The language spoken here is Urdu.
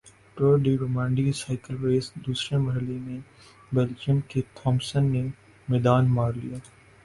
tour de Romandie cycle race دوسرے مرحلے میں بیلجیئم کے تھامس نے میدان مار لیا